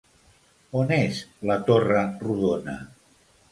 On és la torre rodona?